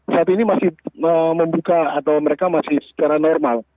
saat ini masih membuka atau mereka masih secara normal